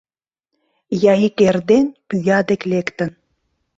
Я ик эрден пÿя дек лектын